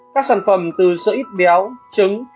các sản phẩm từ sữa ít béo trứng